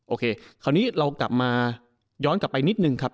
โอเคคราวนี้เรากลับมาย้อนกลับไปนิดนึงครับ